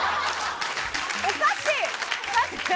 おかしい！